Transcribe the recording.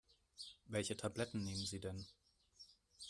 Welche Tabletten nehmen Sie denn?